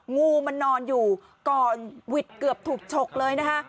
งูมันนอนอยู่ก่อนหวิดเกือบถูกฉกเลยนะคะ